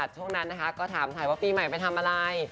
ช่วงนั้นนะคะก็ถามถ่ายว่าปีใหม่ไปทำอะไร